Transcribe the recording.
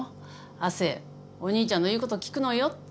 「亜生お兄ちゃんの言うこと聞くのよ」って。